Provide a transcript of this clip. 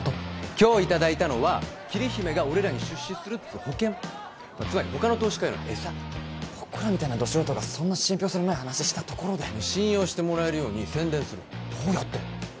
今日いただいたのは桐姫が俺らに出資するっつう保険つまり他の投資家への餌僕らみたいなド素人がそんな信ぴょう性のない話したところで信用してもらえるように宣伝するどうやって？